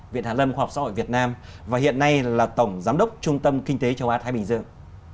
viện hà lâm khoa học xã hội việt nam và hiện nay là tổng giám đốc trung tâm kinh tế châu á thái bình dương